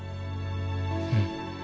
うん。